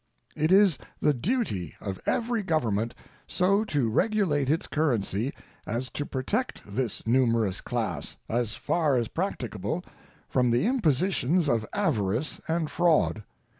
It is the duty of every government so to regulate its currency as to protect this numerous class, as far as practicable, from the impositions of avarice and fraud.